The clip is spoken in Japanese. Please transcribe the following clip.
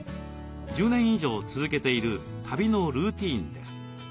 １０年以上続けている旅のルーティーンです。